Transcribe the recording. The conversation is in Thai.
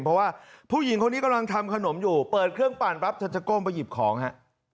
เพราะว่าผู้หญิงคนนี้กำลังทำขนมอยู่เปิดเครื่องปั่นปั๊บเธอจะก้มไปหยิบของฮะ